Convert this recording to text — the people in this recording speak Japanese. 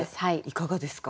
いかがですか？